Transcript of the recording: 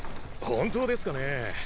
本当ですかね？